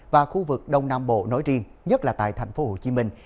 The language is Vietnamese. và khu vực đông nam bộ nói riêng nhất là tại thành phố hồ chí minh